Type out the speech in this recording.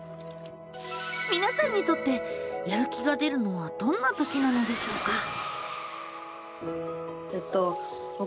みなさんにとってやる気が出るのはどんなときなのでしょうか？